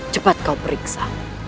cepat kau periksa